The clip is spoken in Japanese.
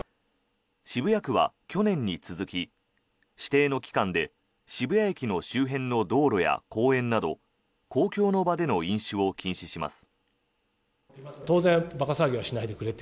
渋谷区は去年に続き指定の期間で渋谷駅の周辺の道路や公園など公共の場での飲酒を禁止します。